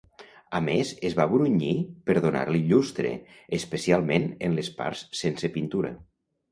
A més es va brunyir per donar-li llustre, especialment en les parts sense pintura.